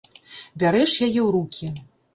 Бярэш яе ў рукі.